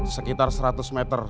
sekitar seratus meter